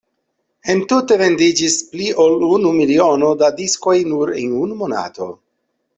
Entute vendiĝis pli ol unu miliono da diskoj nur en unu monato.